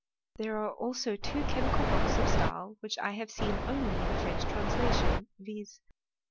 There are also two chemical books or Stahl, which I hare seen only in a French translation, viz.